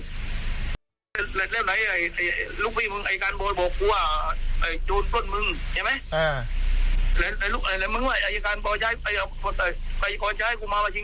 เขาได้การให้ขอช่วยกูแล้วร่วมสำรวจกูไม่ใช่มาร